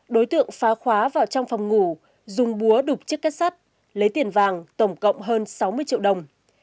đối tượng phá khóa vào trong phòng ngủ dùng búa đục chiếc kết sắt lấy tiền vàng tổng cộng hơn sáu mươi triệu đồng